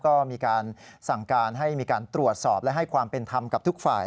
ก็มีการสั่งการให้มีการตรวจสอบและให้ความเป็นธรรมกับทุกฝ่าย